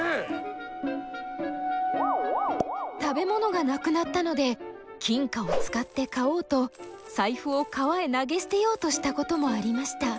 食べ物がなくなったので金貨を使って買おうと財布を川へ投げ捨てようとしたこともありました。